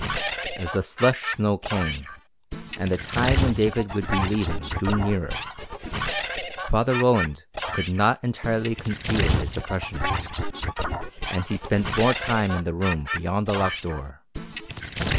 As the slush snow came, and the time when David would be leaving drew nearer, Father Roland could not entirely conceal his depression, and he spent more time in the room beyond the locked door.